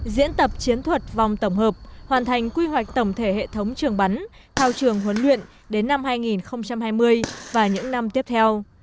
diễn tập chiến thuật vòng tổng hợp hoàn thành quy hoạch tổng thể hệ thống trường bắn thao trường huấn luyện đến năm hai nghìn hai mươi và những năm tiếp theo